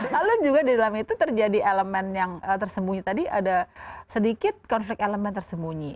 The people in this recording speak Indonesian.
lalu juga di dalam itu terjadi elemen yang tersembunyi tadi ada sedikit konflik elemen tersembunyi